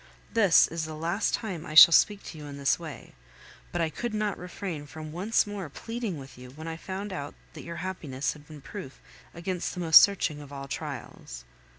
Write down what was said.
This is the last time I shall speak to you in this way; but I could not refrain from once more pleading with you when I found that your happiness had been proof against the most searching of all trials.